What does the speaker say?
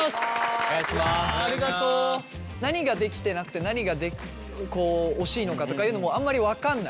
何ができてなくて何がこう惜しいのかとかいうのもあんまり分かんない？